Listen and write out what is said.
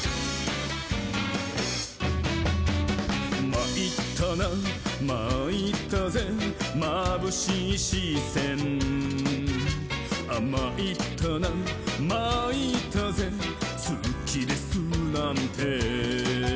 「まいったなまいったぜまぶしいしせん」「まいったなまいったぜすきですなんて」